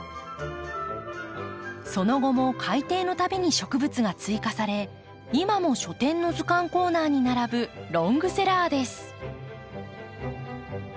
その後も改訂のたびに植物が追加され今も書店の図鑑コーナーに並ぶロングセラーです。